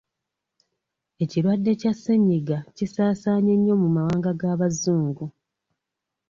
Ekirwadde kya ssenyiga kisaasaanye nnyo mu mawanga g'abazungu.